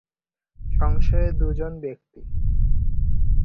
সংসারে দুজন ব্যক্তি।